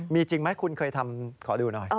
มีจริงไหมคุณเคยทำขอดูหน่อย